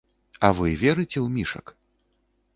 А вы верыце ў мішак?